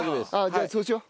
じゃあそうしよう。